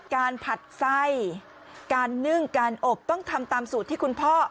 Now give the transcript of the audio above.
ผัดไส้การนึ่งการอบต้องทำตามสูตรที่คุณพ่อ